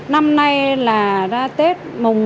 năm nay là ra tết